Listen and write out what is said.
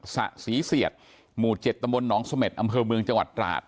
สะศรีเสียดหมู่๗ตำบลหนองเสม็ดอำเภอเมืองจังหวัดตราด